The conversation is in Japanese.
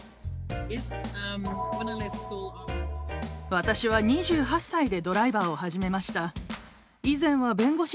私は２８歳でドライバーを始めました。